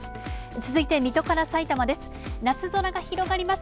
続いて水戸からさいたまです。